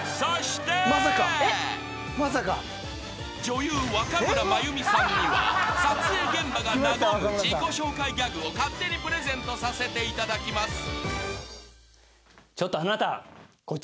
［女優若村麻由美さんには撮影現場が和む自己紹介ギャグを勝手にプレゼントさせていただきます］